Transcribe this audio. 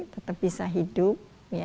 tetap bisa hidup